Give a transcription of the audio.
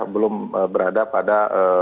belum berada pada